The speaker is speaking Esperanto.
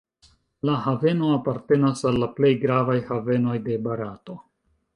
La haveno apartenas al la plej gravaj havenoj de Barato.